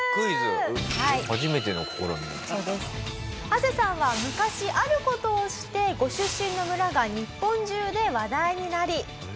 ハセさんは昔ある事をしてご出身の村が日本中で話題になり。